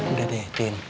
enggak deh tin